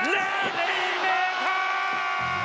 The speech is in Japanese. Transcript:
レインメーカー！